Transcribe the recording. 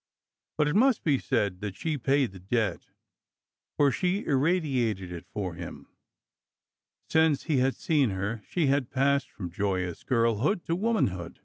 But it must be said that she paid the debt, for she irradiated it for him. Since he had seen her, she had passed from joyous girlhood to womanhood.